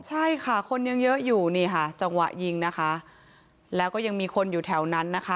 ใช่ค่ะคนยังเยอะอยู่นี่ค่ะจังหวะยิงนะคะแล้วก็ยังมีคนอยู่แถวนั้นนะคะ